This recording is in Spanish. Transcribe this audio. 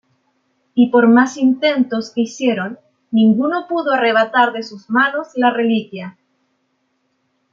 Y por más intentos que hicieron ninguno pudo arrebatar de sus manos la reliquia.